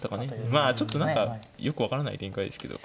まあちょっと何かよく分からない展開ですけど。